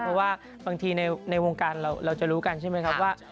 เพราะว่าบางทีในวงการเราจะรู้กันใช่ไหมครับว่า